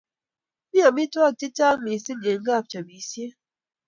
Mi amitwogik che chang mising eng kapchopisiet